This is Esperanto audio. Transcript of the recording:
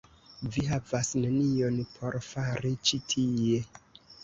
Vi havas nenion por fari ĉi tie.